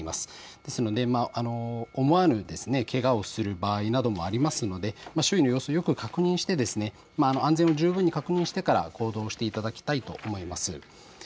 ですので思わぬけがをする場合などもありますので周囲の様子をよく確認して安全を十分に確認してから行動していただきたいと思います。